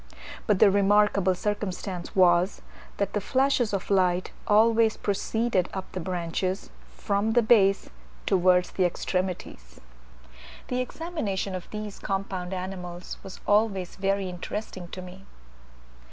But the remarkable circumstance was, that the flashes of light always proceeded up the branches, from the base towards the extremities. The examination of these compound animals was always very interesting to me.